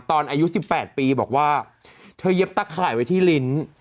อายุ๑๘ปีบอกว่าเธอเย็บตะข่ายไว้ที่ลิ้น